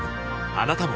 あなたも